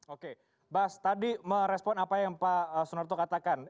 oke bas tadi merespon apa yang pak sunarto katakan